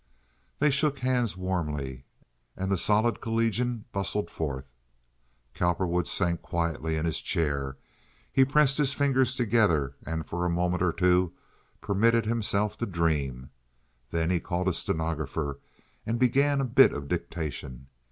They shook hands warmly, and the solid collegian bustled forth. Cowperwood sank quietly in his chair. He pressed his fingers together, and for a moment or two permitted himself to dream. Then he called a stenographer and began a bit of dictation.